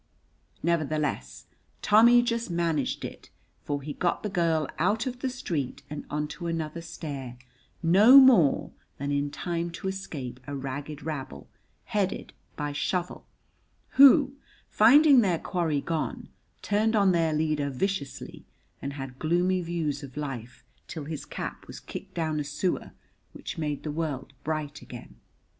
Nevertheless, Tommy just managed it, for he got the girl out of the street and on to another stair no more than in time to escape a ragged rabble, headed by Shovel, who, finding their quarry gone, turned on their leader viciously, and had gloomy views of life till his cap was kicked down a sewer, which made the world bright again.